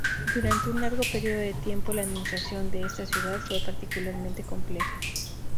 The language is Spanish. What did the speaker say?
Durante un largo periodo de tiempo la administración de esta ciudad fue particularmente compleja.